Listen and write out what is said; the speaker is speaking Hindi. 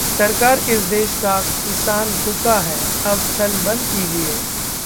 'सरकार इस देश का किसान भूखा है...अब छल बंद कीजिए'